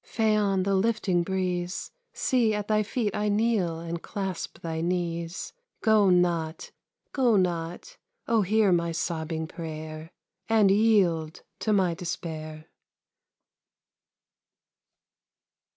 Phaon, the lifting breeze! See, at thy feet I kneel and clasp thy knees! Go not, go not! O hear my sobbing prayer, And yield to my despair!